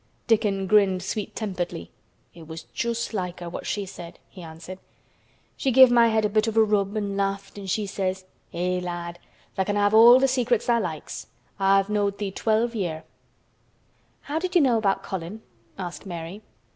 Dickon grinned sweet temperedly. "It was just like her, what she said," he answered. "She give my head a bit of a rub an' laughed an' she says, 'Eh, lad, tha' can have all th' secrets tha' likes. I've knowed thee twelve year'.'" "How did you know about Colin?" asked Mary.